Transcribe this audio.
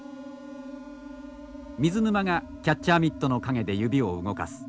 水沼がキャッチャーミットの陰で指を動かす。